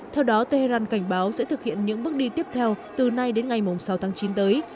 theo đó tehran cảnh báo sẽ thực hiện những bước đi tiếp theo từ nay đến ngày sáu tháng chín tới